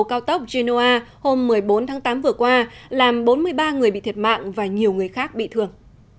cao tốc jenoa hôm một mươi bốn tháng tám vừa qua làm bốn mươi ba người bị thiệt mạng và nhiều người khác bị thương